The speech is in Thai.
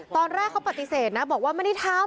ตอนแรกเขาปฏิเสธนะบอกว่าไม่ได้ทำ